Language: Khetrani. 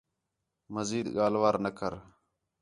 مزید ڳالھ وار نہ کر